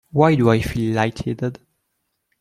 Why do I feel light-headed?